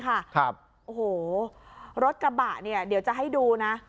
โอ้โหรถกระบะเนี่ยเดี๋ยวจะให้ดูนะ